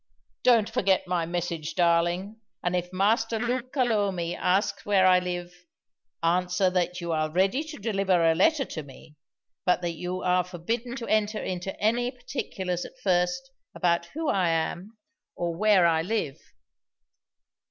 "Don't forget my message, darling. And if Master Luca Lomi asks where I live, answer that you are ready to deliver a letter to me; but that you are forbidden to enter into any particulars at first about who I am, or where I live."